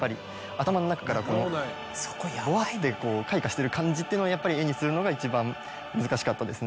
頭の中からボワって開花してる感じっていうのがやっぱり絵にするのが一番難しかったですね。